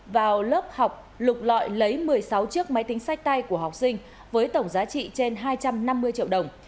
vào lớp học lục lọi lấy một mươi sáu chiếc máy tính sách tay của học sinh với tổng giá trị trên hai trăm năm mươi triệu đồng